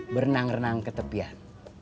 berenang renang ke tepian